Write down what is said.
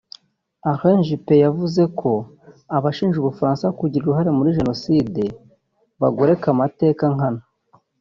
Alain Juppé yavuze ko abashinja u Bufaransa kugira uruhare muri Jenoside bagoreka amateka nkana